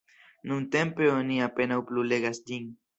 Nuntempe oni apenaŭ plu legas ĝin.